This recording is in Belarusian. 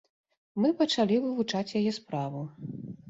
Мы пачалі вывучаць яе справу.